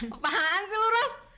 apaan sih lu ros